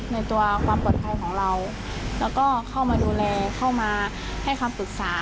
ในตัวความปลอดภัยของเราแล้วก็เข้ามาดูแลเข้ามาให้คำปรึกษา